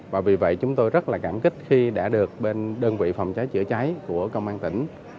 và vì vậy chúng tôi rất là cảm kích khi đã được bên đơn vị phòng cháy chữa cháy của công an tỉnh